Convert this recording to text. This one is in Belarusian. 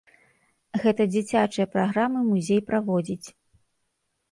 Гэта дзіцячыя праграмы музей праводзіць.